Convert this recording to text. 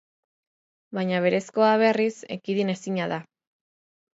Baina berezkoa berriz ekidin ezina da.